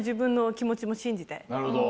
なるほど。